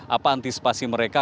apa antisipasi mereka